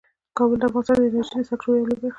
کابل د افغانستان د انرژۍ د سکتور یوه لویه برخه ده.